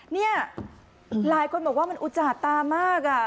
นี่หลายคนบอกว่ามันอุจจาตามาก